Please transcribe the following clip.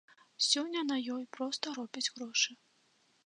Сёння на ёй проста робяць грошы.